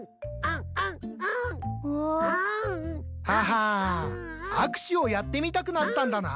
はは握手をやってみたくなったんだな。